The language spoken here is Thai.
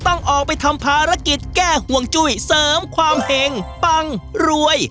ต้องออกไปทำภารกิจแก้ห่วงจุ้ยเสริมความเห็งปังรวย